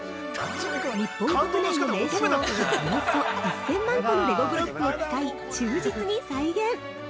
◆日本国内の名所をおよそ１０００万個のレゴブロックを使い忠実に再現。